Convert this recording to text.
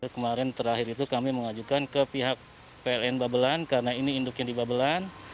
kemarin terakhir itu kami mengajukan ke pihak pln babelan karena ini induknya di babelan